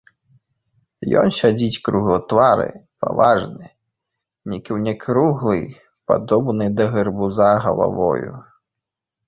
Ён сядзіць круглатвары, паважны, не кіўне круглай, падобнай да гарбуза, галавою.